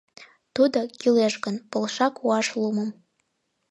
Тудо, кӱлеш гын, полша куаш лумым.